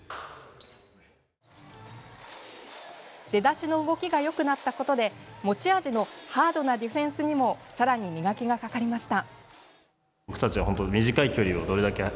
出だしの動きがよくなったことで持ち味のハードなディフェンスにもさらに磨きがかかりました。